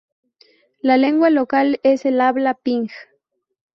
La lengua local es el habla ping.